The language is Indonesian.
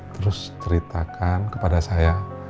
terus ceritakan kepada saya